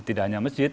tidak hanya masjid